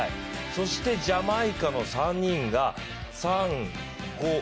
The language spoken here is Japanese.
そしてジャマイカの３人が３、４、６。